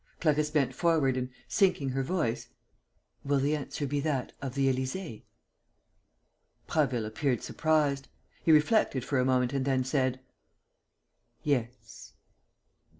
Clarisse bent forward and, sinking her voice: "Will the answer be that of the Élysée?" Prasville appeared surprised. He reflected for a moment and then said: "Yes."